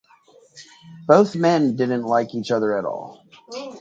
Both men didn't like each other at all.